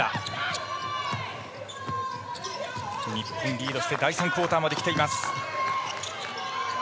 日本、リードして第３クオーターまできています。